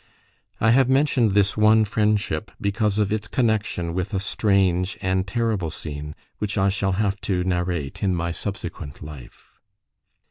I have mentioned this one friendship because of its connexion with a strange and terrible scene which I shall have to narrate in my subsequent life.